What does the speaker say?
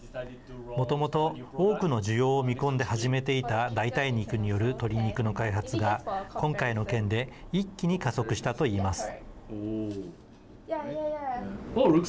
もともと、多くの需要を見込んで始めていた代替肉による鶏肉の開発が今回の件で一気に加速したといいます。